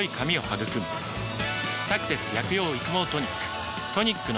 「サクセス薬用育毛トニック」